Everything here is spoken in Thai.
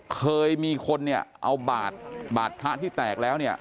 เคยมีคนเนี่ยเอาบาดบาดพระที่แตกแล้วเนี่ย